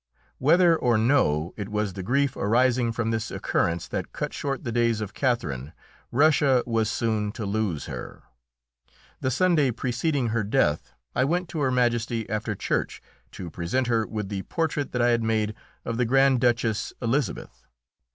Whether or no it was the grief arising from this occurrence that cut short the days of Catherine, Russia was soon to lose her. The Sunday preceding her death, I went to Her Majesty after church to present her with the portrait that I had made of the Grand Duchess Elisabeth.